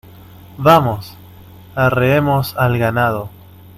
Vamos, arreemos al ganado.